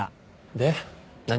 で何？